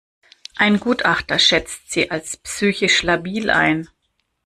Ein Gutachter schätzt sie als psychisch labil ein.